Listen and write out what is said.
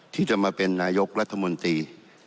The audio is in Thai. ที่จะมาเป็นนายกรัฐมนตรี